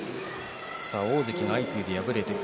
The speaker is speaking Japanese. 大関が相次いで敗れました。